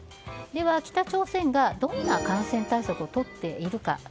では北朝鮮がどんな感染対策をとっているか。